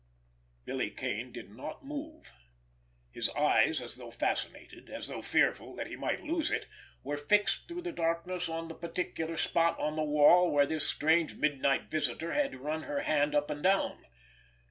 Billy Kane did not move. His eyes, as though fascinated, as though fearful that he might lose it, were fixed through the darkness on the particular spot on the wall where this strange midnight visitor had run her hand up and down.